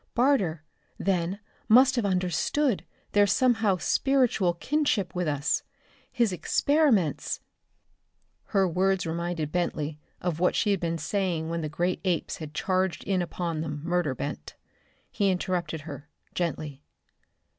Barter, then must have understood their somehow spiritual kinship with us. His experiments " Her words reminded Bentley of what she had been saying when the great apes had charged in upon them, murder bent. He interrupted her, gently.